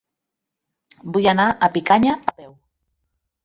Vull anar a Picanya a peu.